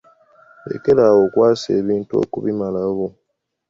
Lekera awo okwasa ebintu okubimalawo.